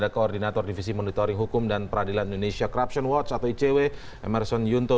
koordinator divisi monitoring hukum dan peradilan indonesia corruption watch atau icw emerson yunto